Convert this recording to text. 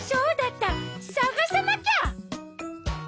さがさなきゃ！